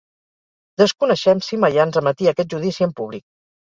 Desconeixem si Maians emetia aquest judici en públic.